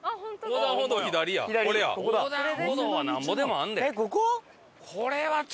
横断歩道はなんぼでもあんで。